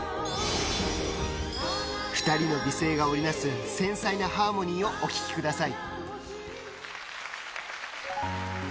２人の美声が織りなす繊細なハーモニーをお聴きください。